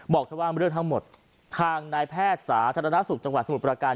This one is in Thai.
ว่าเรื่องทั้งหมดทางนายแพทย์สาธารณสุขจังหวัดสมุทรประการ